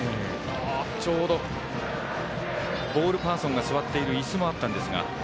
ちょうどボールパーソンが座っているいすもあったんですが。